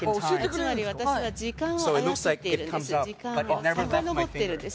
つまり私が時間を操っているんです。